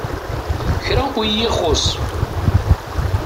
Kra ur iyi-ixus.